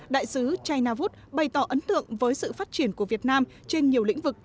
đại sứ chai navut bày tỏ ấn tượng với sự phát triển của việt nam trên nhiều lĩnh vực